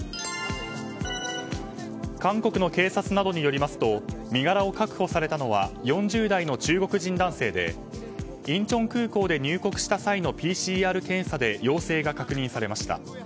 韓国の警察などによりますと身柄を確保されたのは４０代の中国人男性でインチョン空港で入国した際のＰＣＲ検査で陽性が確認されました。